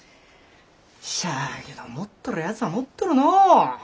しゃあけど持っとるやつは持っとるのう。